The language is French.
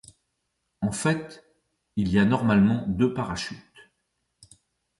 En fait, il y a normalement deux parachutes.